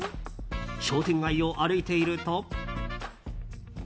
商店街を歩いていると。